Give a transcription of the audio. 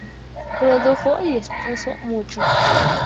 Produjo y expuso mucho.